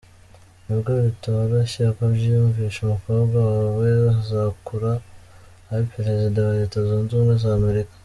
Nubwo bitoroshye kubyiyumvisha, umukobwa wawe azakura, abe Perezida wa Leta Zunze Ubumwe za Amerika.